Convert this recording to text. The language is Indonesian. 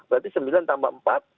berarti sembilan tambah empat